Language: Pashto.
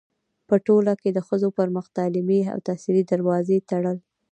پـه ټـولـه کـې د ښـځـو پـر مـخ تـعلـيمي او تحصـيلي دروازې تــړل.